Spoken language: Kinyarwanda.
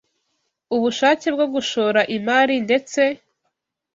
ubushake bwo gushora imari ndetse